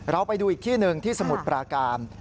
ไปดูอีกที่หนึ่งที่สมุทรปราการ